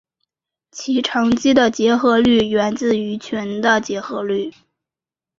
其乘积的结合律源自群的结合律。